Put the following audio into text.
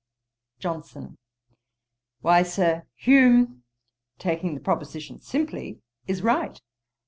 "' JOHNSON. 'Why, Sir, Hume, taking the proposition simply, is right.